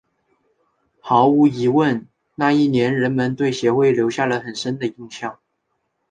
毫无疑问那一年人们对协会留下了很深的印象。